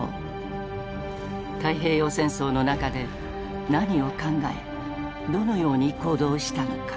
太平洋戦争の中で何を考えどのように行動したのか。